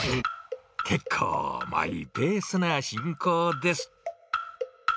結構マイペースな進行です。